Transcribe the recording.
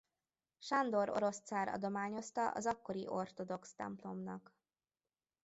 Sándor orosz cár adományozta az akkori ortodox templomnak.